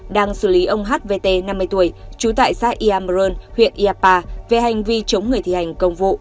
đang xử lý ông hvt năm mươi tuổi trú tại xã iamron huyện iapa về hành vi chống người thi hành công vụ